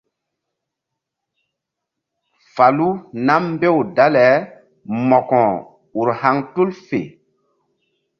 Falu nam mbew dale mo̧ko ur haŋ tul fe.